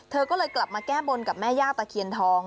เธอก็เลยกลับมาแก้บนกับแม่ย่าตะเคียนทอง